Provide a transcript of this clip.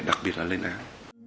đặc biệt là lên án